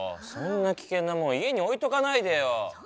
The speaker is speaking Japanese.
そんなきけんなもんいえにおいとかないでよ！